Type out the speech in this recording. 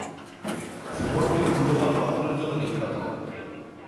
শহরটি মূল্যবান পাথরের জন্য বিখ্যাত।